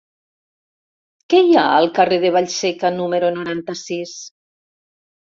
Què hi ha al carrer de Vallseca número noranta-sis?